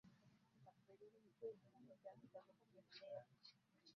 kazi hizi ni kwa mujibu wa sheria ya benki kuu ya tanzania